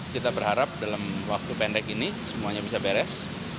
kita berharap dalam waktu pendek ini semuanya bisa beres